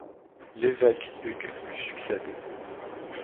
L'évêque Hugues lui succède.